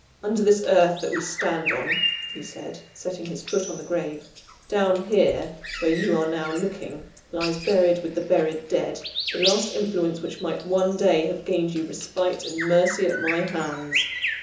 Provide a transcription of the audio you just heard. "Under this earth that we stand on," he said, setting his foot on the grave; "down here, where you are now looking, lies buried with the buried dead, the last influence which might one day have gained you respite and mercy at my hands.